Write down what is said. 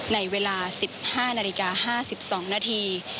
ในเวลา๑๕นาฬิกา๕๒นาที